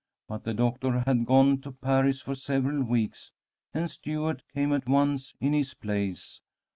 But the doctor had gone to Paris for several weeks, and Stuart came at once in his place.